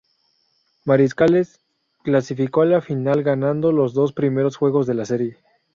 Mariscales clasificó a la final ganando los dos primeros juegos de la serie.